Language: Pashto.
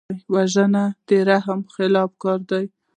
وژنه د رحمت خلاف کار دی